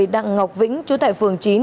đặng ngọc vĩnh chú tại phường chín